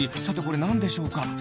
さてこれなんでしょうか？